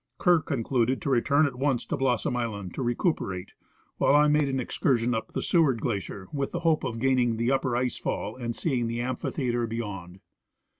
Kerr concluded to return at once to Blossom island to recuperate, while I made an excursion up the Seward glacier, with the hope of gaining the upper ice fall and seeing the amphitheatre beyond.